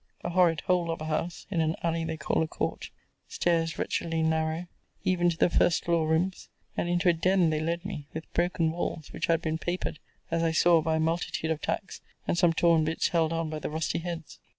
A horrid hole of a house, in an alley they call a court; stairs wretchedly narrow, even to the first floor rooms: and into a den they led me, with broken walls, which had been papered, as I saw by a multitude of tacks, and some torn bits held on by the rusty heads.